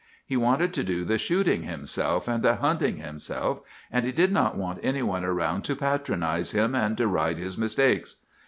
He wanted to do the shooting himself, and the hunting himself; and he did not want any one around to patronize him, and deride his mistakes.